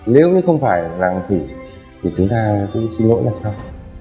nếu như không phải thì chúng ta cũng xin lỗi là sao